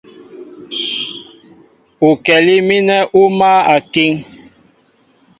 Ukɛlí mínɛ́ ú máál a kíŋ.